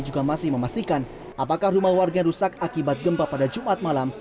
juga masih memastikan apakah rumah warga rusak akibat gempa pada jumat malam